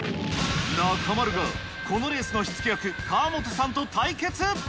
中丸が、このレースの火付け役、川本さんと対決。